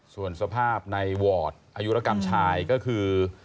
ส่วนสภาพในวอร์ดอายุรกรรมชายก็คือ